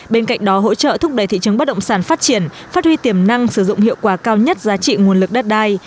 bên cạnh đó hỗ trợ thúc đẩy thị trường bất động sản phát triển phát huy tiềm năng sử dụng hiệu quả cao nhất giá trị nguồn lực đất đai